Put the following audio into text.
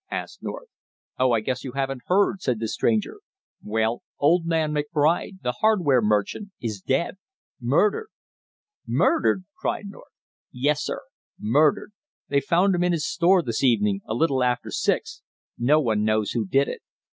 asked North. "Oh, I guess you haven't heard!" said the stranger. "Well, old man McBride, the hardware merchant, is dead! Murdered!" "Murdered!" cried North. "Yes, sir, murdered! They found him in his store this evening a little after six. No one knows who did it.